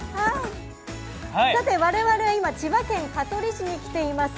我々は千葉県香取市に来ています。